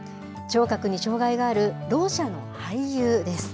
聴覚に障害があるろう者の俳優です。